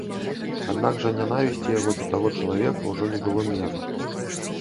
Аднак жа нянавісці яго да таго чалавека ўжо не было меры.